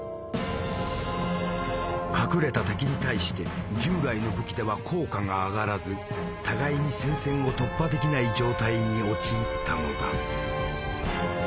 隠れた敵に対して従来の武器では効果が上がらず互いに戦線を突破できない状態に陥ったのだ。